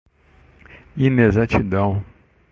inexatidão